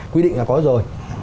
quy định là có rồi